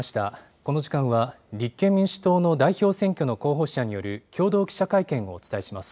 この時間は、立憲民主党の代表選挙の候補者による共同記者会見をお伝えします。